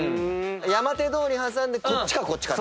山手通り挟んでこっちかこっちか。